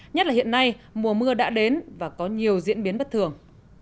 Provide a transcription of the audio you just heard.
nhất là hiện nay mùa mưa đã đến và có nhiều diễn biến bất thường